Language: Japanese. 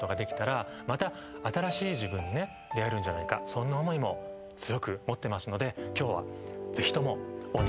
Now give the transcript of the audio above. そんな思いも強く持ってますので今日はぜひとも。